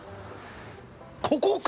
ここか！